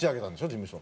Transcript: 事務所。